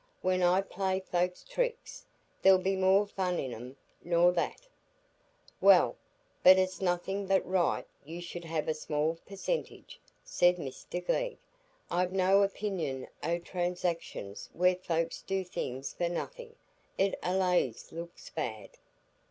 When I play folks tricks, there'll be more fun in 'em nor that." "Well, but it's nothing but right you should have a small percentage," said Mr Glegg. "I've no opinion o' transactions where folks do things for nothing. It allays looks bad."